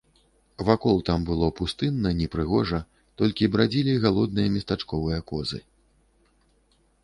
Вакол там было пустынна, непрыгожа, толькі брадзілі галодныя местачковыя козы.